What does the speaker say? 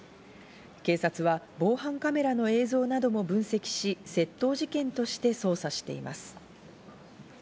警察は防犯カメラの映像なども分析し、窃盗事件として捜査しています。